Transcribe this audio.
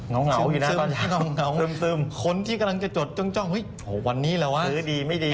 เหงาอยู่หน้าตอนนี้ซึมคนที่กำลังจะจดจ้องวันนี้เหล่าวะซื้อดีไม่ดี